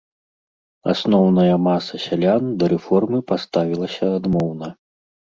Асноўная маса сялян да рэформы паставілася адмоўна.